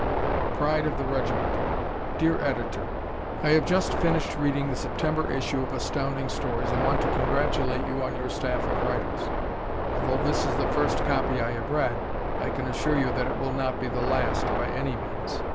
Pride of the Regiment Dear Editor: I have just finished reading the September issue of Astounding Stories and want to congratulate you on your staff of writers. Although this is the first copy I have read, I can assure you that it will not be the last, by any means.